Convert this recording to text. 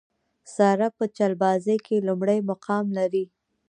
ساره په چلبازۍ کې لومړی مقام لري.